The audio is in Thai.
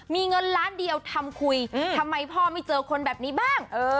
มีเงินล้านเดียวทำคุยทำไมพ่อไม่เจอคนแบบนี้บ้าง